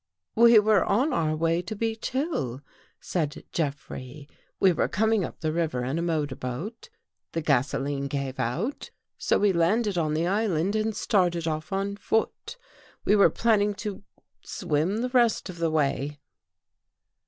" "We were on our way to Beech Hill," said Jeff rey. "We were coming up the river in a motor boat. The gasoline gave out, so we landed on the island and started across on foot. We were plan ning to — swim the rest of the way."